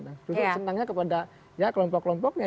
sudah senangnya kepada kelompok kelompoknya